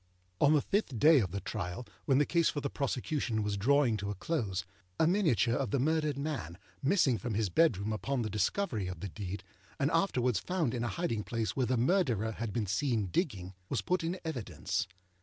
On the fifth day of the trial, when the case for the prosecution was drawing to a close, a miniature of the murdered man, missing from his bedroom upon the discovery of the deed, and afterwards found in a hiding place where the Murderer had been seen digging, was put in evidence.